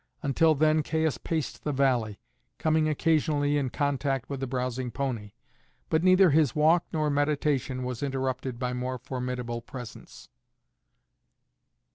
Until then Caius paced the valley, coming occasionally in contact with the browsing pony; but neither his walk nor meditation was interrupted by more formidable presence.